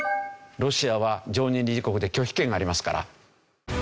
ロシアは常任理事国で拒否権がありますから。